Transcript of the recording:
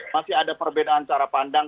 masih ada perbedaan cara pandang